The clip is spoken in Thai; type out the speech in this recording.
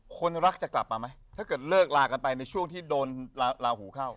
คนรักจะกลับมาไหมถ้าเกิดเลิกลากันไปในช่วงที่โดนลาหูเข้า